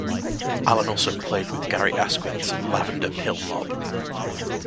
Allen also played with Gary Asquith's Lavender Pill Mob.